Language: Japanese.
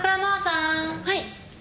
はい。